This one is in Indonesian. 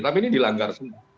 tapi ini dilanggar